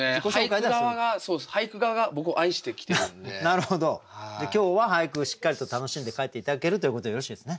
じゃあ今日は俳句をしっかりと楽しんで帰って頂けるということでよろしいですね？